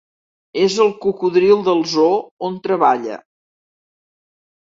És el cocodril del zoo, on treballa.